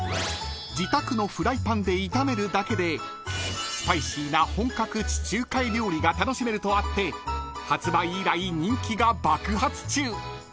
［自宅のフライパンで炒めるだけでスパイシーな本格地中海料理が楽しめるとあって発売以来人気が爆発中］